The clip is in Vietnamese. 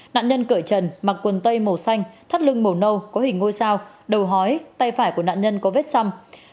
nạn nhân cởi trần mặc quần tây màu xanh thắt lưng màu nâu có hình ngôi sao đầu hói tay phải của nạn nhân có vết xăm